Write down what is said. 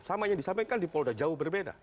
sama yang disampaikan di polda jauh berbeda